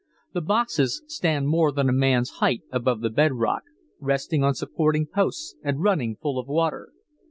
These boxes stand more than a man's height above the bed rock, resting on supporting posts and running full of water.